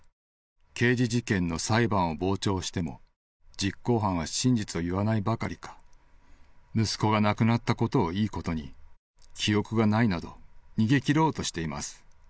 刑事事件の裁判を傍聴しても実行犯は真実を云わないばかりか息子が亡くなったことを良いことに記憶がないなど逃げきろうとしています。